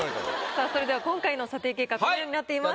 さあそれでは今回の査定結果このようになっています。